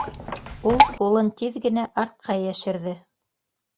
Ул ҡулын тиҙ генә артҡа йәшерҙе.